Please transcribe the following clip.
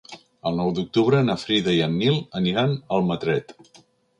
El nou d'octubre na Frida i en Nil aniran a Almatret.